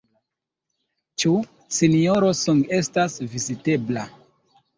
Ĉu Sinjoro Song estas vizitebla?